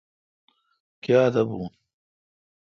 کیا تہ بون،،؟